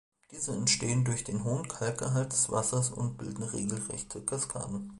Diese entstehen durch den hohen Kalkgehalt des Wassers und bilden regelrechte Kaskaden.